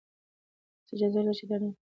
تاسي اجازه لرئ چې دا لینک خلاص کړئ.